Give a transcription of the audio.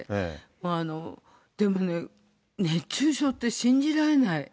もう、でもね、熱中症って信じられない。